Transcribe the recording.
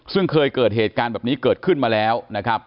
ซึ่งเคยเกิดเหตุการณ์แบบนี้เกิดขึ้นมาแล้วนะครับ